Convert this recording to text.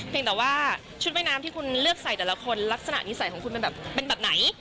แต่ว่าชุดว่ายน้ำที่คุณเลือกใส่แต่ละคนลักษณะนิสัยของคุณเป็นแบบเป็นแบบไหน